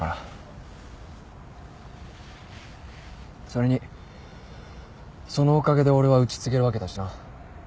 それにそのおかげで俺はうち継げるわけだしな。